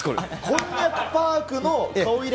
こんにゃくパークの顔入れ